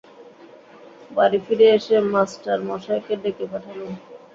বাড়ি ফিরে এসে মাস্টারমশায়কে ডেকে পাঠালুম।